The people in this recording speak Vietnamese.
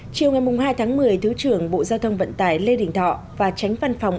chiều ngày hai tháng một mươi thứ trưởng bộ giao thông vận tải lê đình thọ và tránh văn phòng